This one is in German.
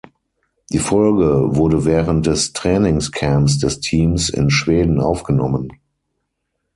Die Folge wurde während des Trainingscamps des Teams in Schweden aufgenommen.